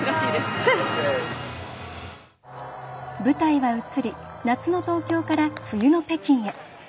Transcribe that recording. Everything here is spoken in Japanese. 舞台は移り夏の東京から、冬の北京へ。